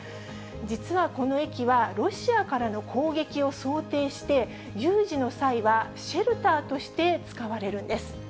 実はこの駅は、ロシアからの攻撃を想定して、有事の際は、シェルターとして使われるんです。